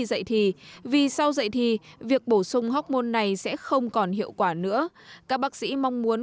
dạy thì vì sau dạy thì việc bổ sung hóc môn này sẽ không còn hiệu quả nữa các bác sĩ mong muốn